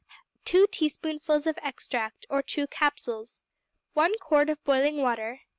2 teaspoonfuls of extract, or 2 capsules. 1 quart of boiling water.